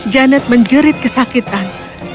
janet menjerit kesakitan